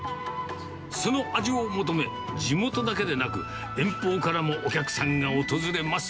その味を求め、地元だけでなく、遠方からもお客さんが訪れます。